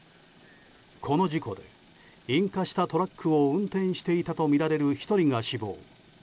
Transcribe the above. この事故で引火したトラックを運転していたとみられる１人が死亡。